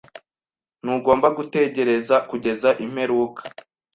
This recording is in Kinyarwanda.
Ntugomba gutegereza kugeza imperuka.